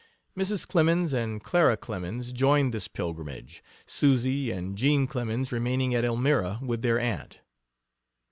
Mrs. Clemens, and Clara Clemens, joined this pilgrimage, Susy and Jean Clemens remaining at Elmira with their aunt.